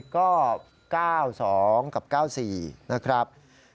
ก็๙๒กับ๙๔นะครับ